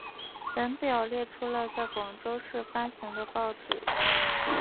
本表列出了在广州市发行的报纸。